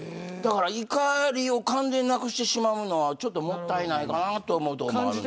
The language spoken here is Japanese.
怒りを完全になくしてしまうのはちょっともったいないかなって思います。